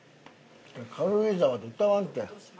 軽井沢で歌わんって。